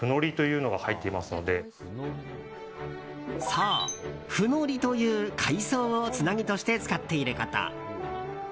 そう、フノリという海藻をつなぎとして使っていること。